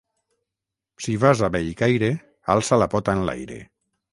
Si vas a Bellcaire, alça la pota enlaire.